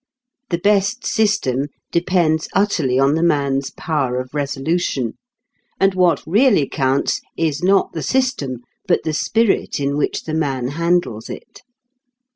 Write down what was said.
The best system depends utterly on the man's power of resolution. And what really counts is not the system, but the spirit in which the man handles it.